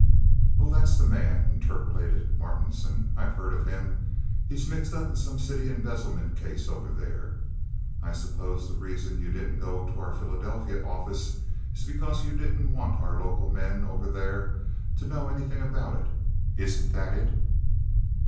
"Oh, that's the man," interpolated Martinson. "I've heard of him. He's mixed up in some city embezzlement case over there. I suppose the reason you didn't go to our Philadelphia office is because you didn't want our local men over there to know anything about it. Isn't that it?"